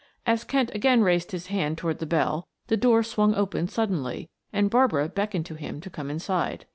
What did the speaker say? As Kent again raised his hand toward the bell, the door swung open suddenly and Barbara beckoned to him to come inside.